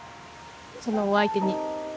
そのお相手に？